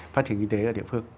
phát triển kinh tế ở địa phương